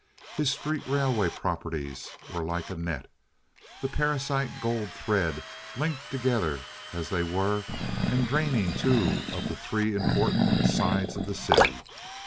His street railway properties were like a net—the parasite Gold Thread—linked together as they were, and draining two of the three important "sides" of the city.